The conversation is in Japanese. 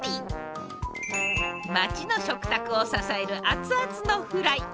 町の食卓を支えるあつあつのフライ。